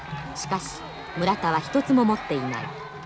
しかし村田は一つも持っていない。